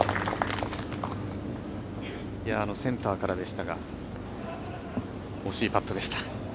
センターからでしたが惜しいパットでした。